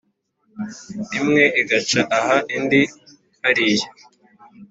Imwe igaca aha indi hariya